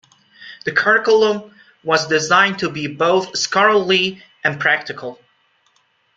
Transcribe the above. The curriculum was designed to be both scholarly and practical.